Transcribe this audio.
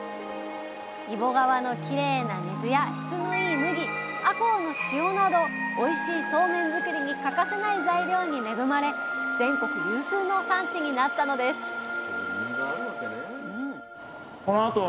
揖保川のきれいな水や質のいい麦赤穂の塩などおいしいそうめん作りに欠かせない材料に恵まれ全国有数の産地になったのですちゃんと理由があるわけね。